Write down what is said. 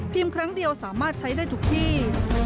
ครั้งเดียวสามารถใช้ได้ทุกที่